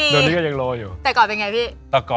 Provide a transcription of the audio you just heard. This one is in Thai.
ตามเจ๊ร้านขายน้ำ